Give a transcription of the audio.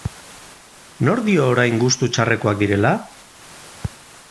Nork dio orain gustu txarrekoak direla?